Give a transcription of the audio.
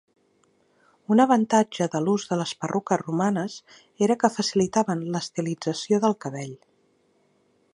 Un avantatge de l'ús de les perruques romanes era que facilitaven l'estilització del cabell.